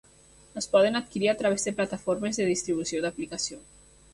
Es poden adquirir a través de plataformes de distribució d'aplicació.